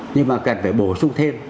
nhưng mà cần phải bổ sung thêm